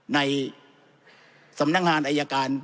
ในสำนักงานอายการ